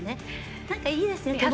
なんか、いいですね。